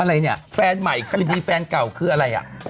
อะไรเนี่ยแฟนใหม่คดีแฟนเก่าคืออะไรอ่ะ